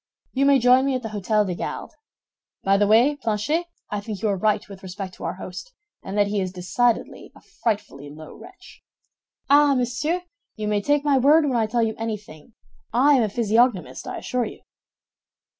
You may join me at the Hôtel des Gardes. By the way, Planchet, I think you are right with respect to our host, and that he is decidedly a frightfully low wretch." "Ah, monsieur, you may take my word when I tell you anything. I am a physiognomist, I assure you."